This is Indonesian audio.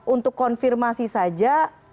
untuk konfirmasi saja